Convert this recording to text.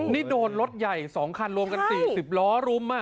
นี่โดนรถใหญ่๒คันรวมกัน๔๐ล้อรุม